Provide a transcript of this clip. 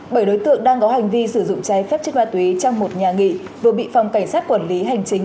bởi đối tượng đang có hành vi sử dụng cháy phép chất ma túy trong một nhà nghị vừa bị phòng cảnh sát quản lý hành chính